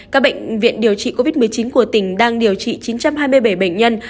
các bệnh viện điều trị covid một mươi chín của tỉnh đang điều trị chín trăm hai mươi bảy bệnh nhân